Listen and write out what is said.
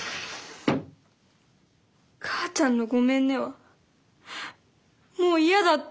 母ちゃんの「ごめんね」はもう嫌だった。